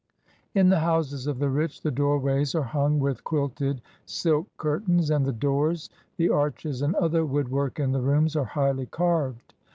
In the houses of the rich, the doorways are hung with quilted silk curtains; and the doors, the arches, and other woodwork in the rooms are highly carved.